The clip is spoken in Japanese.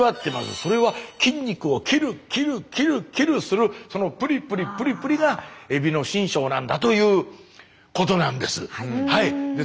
それは筋肉を切る切る切る切るするそのプリプリプリプリがエビの身上なんだということなんです。